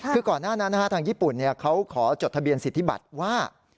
คือก่อนหน้านั้นทางญี่ปุ่นเขาขอจดทะเบียนสิทธิบัตรว่า